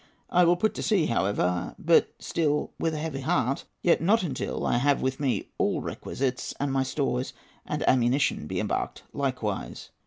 I will put to sea, however, but still with a heavy heart; yet not until I have with me all requisites, and my stores and ammunition be embarked likewise.'